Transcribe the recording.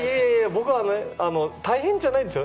僕は、大変じゃないんですよ